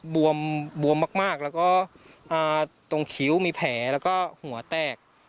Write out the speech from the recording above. บวมมากแล้วก็ตรงคิ้วมีแผลแล้วก็หัวแตก